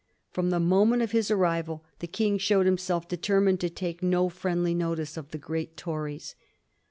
From the moment of his arrival, the King showed himself determined to take no Mendly notice of the great Tories.